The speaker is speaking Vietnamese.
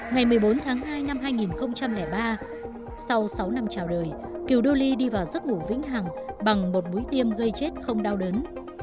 ngày một mươi bốn tháng hai năm hai nghìn ba sau sáu năm trào đời kiều đô ly đi vào giấc ngủ vĩnh hằng bằng một mũi tiêm gây chết không đau đớn